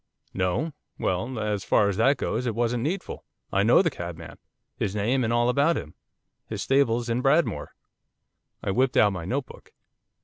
'No, well, as far as that goes it wasn't needful. I know the cabman, his name and all about him, his stable's in Bradmore.' I whipped out my note book.